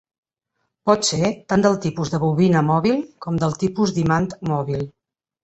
Pot ser tant del tipus de bobina mòbil com del tipus d'imant mòbil.